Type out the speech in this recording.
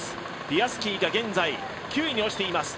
ピアスキーが現在、９位に落ちています。